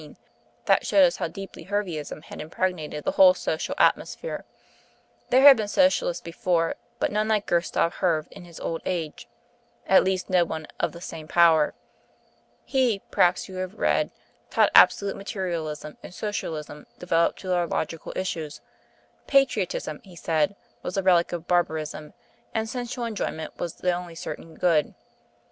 That showed us how deeply Herveism had impregnated the whole social atmosphere. There had been Socialists before, but none like Gustave Herve in his old age at least no one of the same power. He, perhaps you have read, taught absolute Materialism and Socialism developed to their logical issues. Patriotism, he said, was a relic of barbarism; and sensual enjoyment was the only certain good.